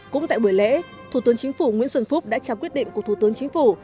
cũng tại buổi lễ thủ tướng chính phủ nguyễn xuân phúc đã trao quyết định của thủ tướng chính phủ